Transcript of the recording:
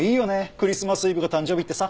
クリスマスイブが誕生日ってさ。